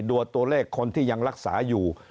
ตัวเลขคนที่ยังรักษาอยู่